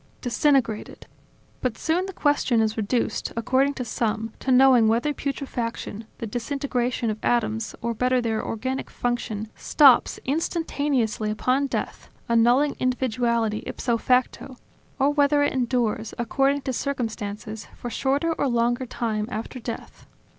Disintegrated ... But soon the question is reduced, according to some, to knowing whether putrefaction, the disintegration of atoms, or better their organic function, stops instantaneously upon death, annulling individuality ipso facto, or whether it endures, according to circumstances, for a shorter or longer time after death